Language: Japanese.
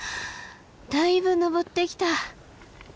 だいぶ登ってきた。